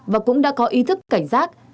và cũng đã có ý thức cảnh giác